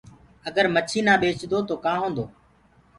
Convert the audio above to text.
اگر مڇي نآ ٻيچدو تو ڪآ هوندو